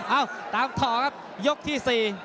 เอ้าตามต่อครับยกที่๔